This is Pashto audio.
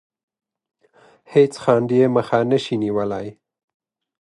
هیڅ خنډ یې مخه نه شي نیولی.